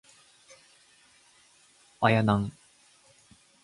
東海オンエア